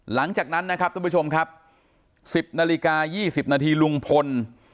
หลังจากนั้นนะครับทุกผู้ชมครับ๑๐นาฬิกา๒๐นาทีลุงพล